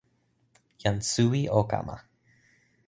jan suwi o kama.